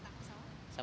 di takut sama